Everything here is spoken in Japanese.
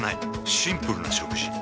シンプルな食事。